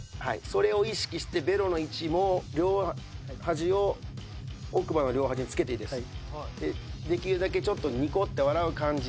それを意識してベロの位置も両端を奥歯の両端に付けていいです。